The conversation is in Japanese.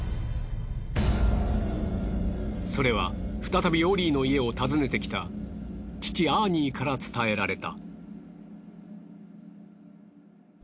それは再びオリーの家を訪ねてきた父アーニーから伝えられた。